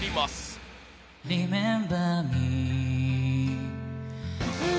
「リメンバー・ミー」